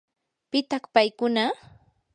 ¿pitaq paykuna?